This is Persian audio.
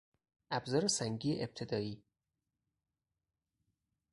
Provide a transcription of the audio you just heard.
ابزار سنگی ابتدایی